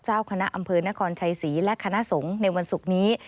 เจ้าคณะอำเภอนครชัยศรีและคณะสงฆ์ในวันศุกร์นี้